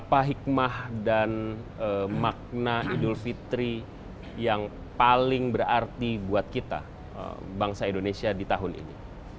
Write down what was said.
apa hikmah dan makna idul fitri yang paling berarti buat kita bangsa indonesia di tahun ini